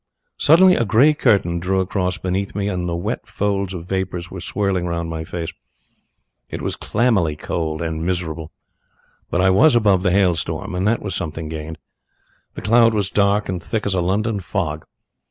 Suddenly a grey curtain drew across beneath me and the wet folds of vapours were swirling round my face. It was clammily cold and miserable. But I was above the hail storm, and that was something gained. The cloud was as dark and thick as a London fog.